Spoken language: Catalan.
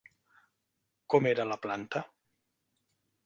Com era la planta?